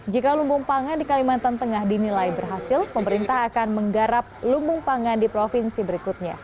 jika lumbung pangan di kalimantan tengah dinilai berhasil pemerintah akan menggarap lumbung pangan di provinsi berikutnya